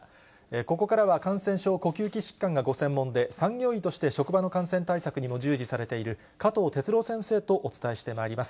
ここからは感染症、呼吸器疾患がご専門で、産業医として職場の感染症対策にも従事されている、加藤哲朗先生とお伝えしてまいります。